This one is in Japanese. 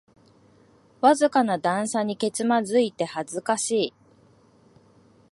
わずかな段差にけつまずいて恥ずかしい